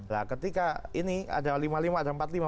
nah ketika ini ada lima puluh lima ada empat puluh lima